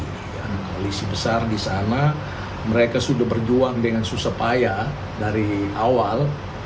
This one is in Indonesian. kemudian koalisi besar di sana mereka sudah berjuang dengan susah payah dari awal